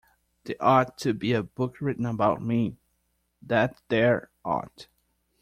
There ought to be a book written about me, that there ought!